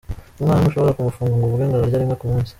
Umwana ntushobora kumufunga ngo uvuge ngo ararya rimwe ku munsi.